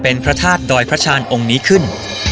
เป็นพระธาตุดอยพระชาญองค์นี้ขึ้น